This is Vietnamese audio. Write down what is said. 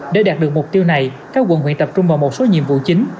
để đạt được mục tiêu này các quận huyện tập trung vào một số nhiệm vụ chính